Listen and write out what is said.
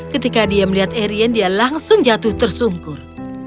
ketika dia melihat erien dia langsung jatuh tersungkur